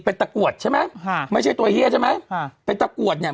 ไปตะกรวจใช่ไหมฮะไม่ใช่ตัวเหี้ยใช่ไหมฮะไปตะกรวจเนี้ย